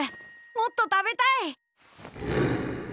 もっと食べたい！